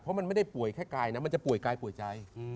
เพราะมันไม่ได้ป่วยแค่กายนะมันจะป่วยกายป่วยใจ